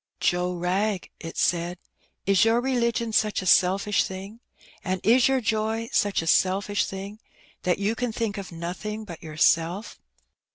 "Joe Wrag," it said, "is your religion such a selfisli thing, and is your joy such a selfish thing, that you can think of nothing but yourself?